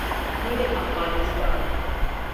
لوی افغانستان